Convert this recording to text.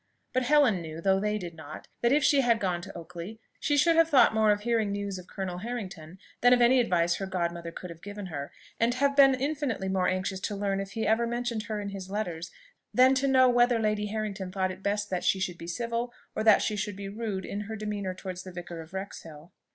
But Helen knew, though they did not, that if she had gone to Oakley, she should have thought more of hearing news of Colonel Harrington than of any advice her godmother could have given her, and have been infinitely more anxious to learn if he ever mentioned her in his letters, than to know whether Lady Harrington thought it best that she should be civil, or that she should be rude, in her demeanour towards the Vicar of Wrexhill.